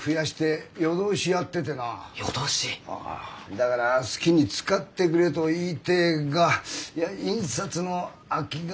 だから好きに使ってくれと言いてえがいや印刷の空きが。